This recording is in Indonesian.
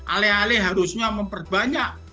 alih alih harusnya memperbanyak